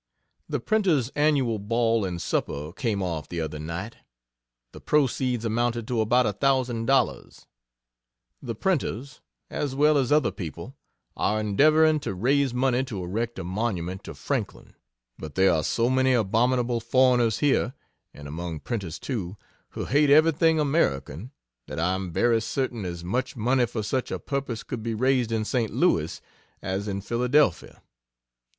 The printers' annual ball and supper came off the other night. The proceeds amounted to about $1,000. The printers, as well as other people, are endeavoring to raise money to erect a monument to Franklin, but there are so many abominable foreigners here (and among printers, too,) who hate everything American, that I am very certain as much money for such a purpose could be raised in St. Louis, as in Philadelphia.